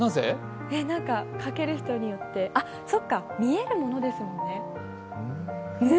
かける人によってあっ、そうか、見えるものですもんね。